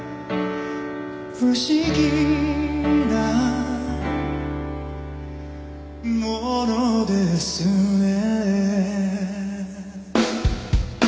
「不思議なものですね」